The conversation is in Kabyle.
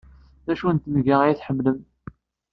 D acu n tenga ay tḥemmlem?